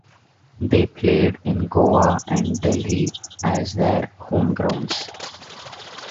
They played in Goa and Delhi as their home grounds.